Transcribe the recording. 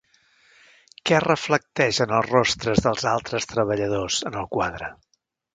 Què es reflecteix en els rostres dels altres treballadors en el quadre?